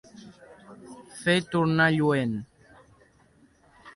Fer tornar lluent.